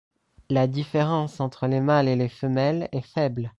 La différence entre les mâles et les femelles est faible.